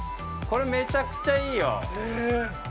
◆これ、めちゃくちゃいいよ。